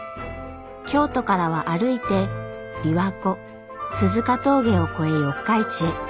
京都からは歩いて琵琶湖鈴鹿峠を越え四日市へ。